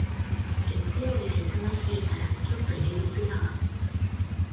月曜日は忙しいから、ちょっと憂鬱だわ。